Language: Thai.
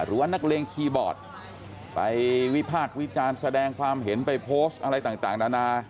ว่านักเลงคีย์บอร์ดไปวิพากษ์วิจารณ์แสดงความเห็นไปโพสต์อะไรต่างนานา